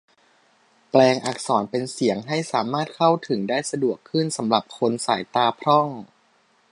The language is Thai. แปลงอักษรเป็นเสียง ให้สามารถเข้าถึงได้สะดวกขึ้นสำหรับคนสายตาบกพร่อง